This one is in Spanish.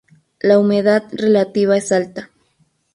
La humedad relativa es alta.